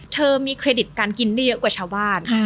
เธอมีเครดิตการกินได้เยอะกว่าชาวบ้าน